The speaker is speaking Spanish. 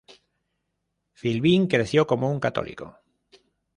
Philbin creció como un católico.